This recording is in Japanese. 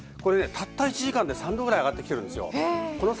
たった１時間で３度くらい上がってきているんです。